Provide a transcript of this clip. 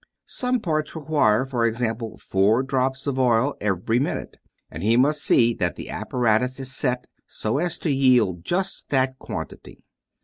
Some parts require, for example, four drops of oil every minute, and he must see that the apparatus is set so as to yield just that quantity.